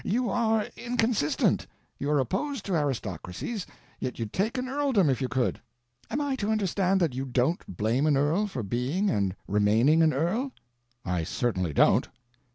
You are inconsistent. You are opposed to aristocracies, yet you'd take an earldom if you could. Am I to understand that you don't blame an earl for being and remaining an earl?" "I certainly don't."